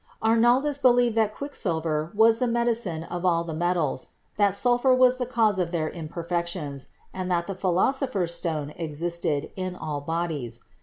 Arnaldus believed that quicksilver was the medicine of all the metals, that sulphur was the cause of their imper fections, and that the Philosopher's Stone existed in all bodies.